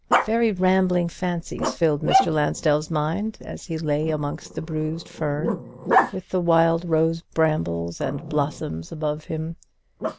Very rambling fancies filled Mr. Lansdell's mind as he lay amongst the bruised fern, with the wild rose brambles and blossoms above him.